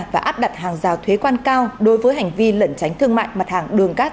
và áp đặt hàng rào thuế quan cao đối với hành vi lẩn tránh thương mại mặt hàng đường cát